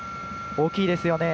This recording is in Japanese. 大きいですよね。